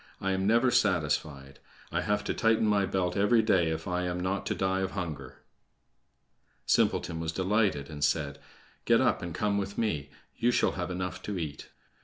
I am never satisfied. I have to tighten my belt every day if I am not to die of hunger." Simpleton was delighted, and said: "Get up and come with me. You shall have enough to eat."